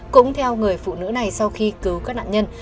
cũng theo người phụ nữ này sau khi cứu các nạn nhân